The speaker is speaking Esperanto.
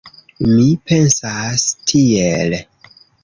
Mi pensas tiel.